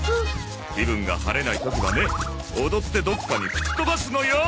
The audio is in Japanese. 気分が晴れない時はね踊ってどっかにふっとばすのよ！